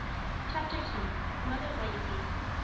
CHAPTER X. THE MOTHER'S LEGACY.